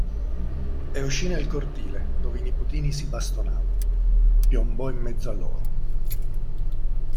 E uscì nel cortile, dove i nipotini si bastonavano: piombò in mezzo a loro.